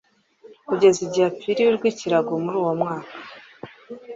kugeza igihe apfiriye urw'ikirago muri uwo mwaka